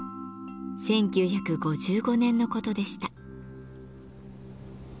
１９５５年のことでした。